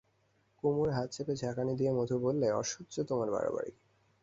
কুমুর হাত চেপে ধরে ঝাঁকানি দিয়ে মধু বললে, অসহ্য তোমার বাড়াবাড়ি।